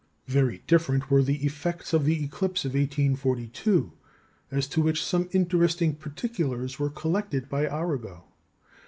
Very different were the effects of the eclipse of 1842, as to which some interesting particulars were collected by Arago.